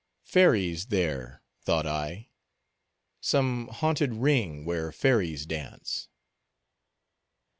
Fairies there, thought I; some haunted ring where fairies dance.